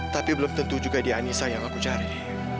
tapi belum tentu juga di anissa yang aku cari